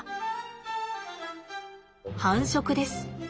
繁殖です。